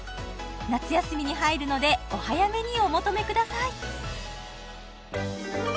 夏休みに入るのでお早めにお求めください